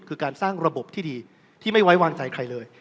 คือการสร้างระบบที่ดีที่ไม่ไว้วางใจใครเลย